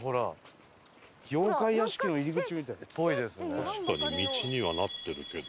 確かに道にはなってるけど。